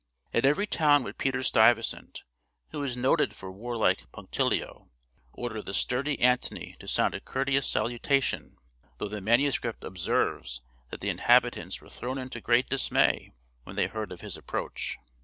At every town would Peter Stuyvesant, who was noted for warlike punctilio, order the sturdy Antony to sound a courteous salutation; though the manuscript observes that the inhabitants were thrown into great dismay when they heard of his approach.